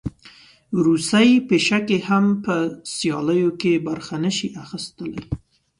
روسۍ پیشکې هم په سیالیو کې برخه نه شي اخیستلی.